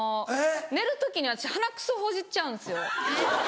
寝る時に私鼻くそほじっちゃうんですよ。